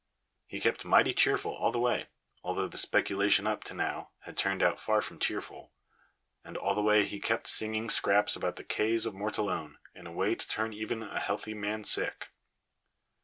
He kept mighty cheerful all the way, although the speculation up to now had turned out far from cheerful; and all the way he kept singing scraps about the Kays of Mortallone in a way to turn even a healthy man sick.